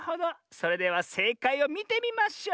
それではせいかいをみてみましょう！